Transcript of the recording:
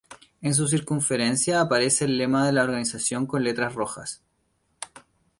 En su circunferencia aparece el lema de la organización con letras rojas.